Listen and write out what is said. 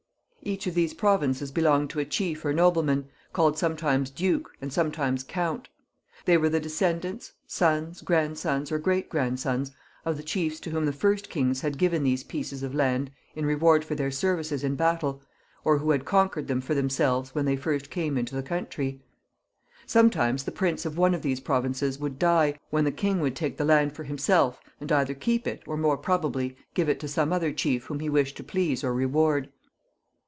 Each of these pro vinces belonged to a chief or nobleman, called sometimes Duke and sometimes Count. They were the descendants, sons, grandsons, or great grandsons of the chiefs to whom the first kings had given these pieces of land in reward for their services in battle, or who had conquered them for themselves when they first came into the country. Some times the prince of one of these provinces would die and leave no children, when the king would take the land for himself and either keep it, or, more probably, give it to some other chief whom he wished to please or reward.